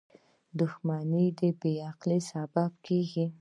• دښمني د بې عقلی سبب کېږي.